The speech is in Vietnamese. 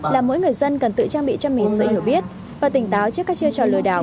là mỗi người dân cần tự trang bị cho mình sự hiểu biết và tỉnh táo trước các chiêu trò lừa đảo